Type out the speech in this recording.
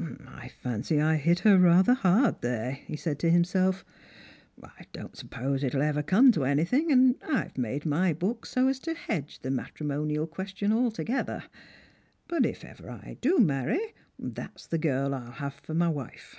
" I fancy I hit her rather hard there," he said to himself. " 1 don't suppose it will ever come to anything, and I have made my book so as to hedge the matrimonial question altogether ; but if ever I do marry, that's the girl I'll have for my wife.